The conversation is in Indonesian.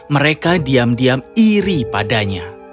mereka diam diam iri padanya